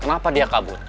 kenapa dia kabur